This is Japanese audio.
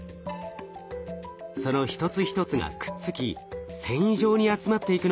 その一つ一つがくっつき繊維状に集まっていくのが分かります。